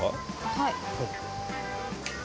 はい。